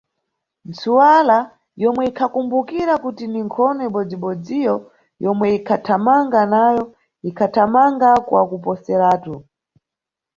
Ntsuwala, yomwe ikhakumbukira kuti ni nkhono ibodzi-bodziyo yomwe inkhathamanga nayo, ikhathamanga kwa kuposeratu.